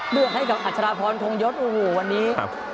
เลือกให้กับอัชราพรถงยศอูหูววันนี้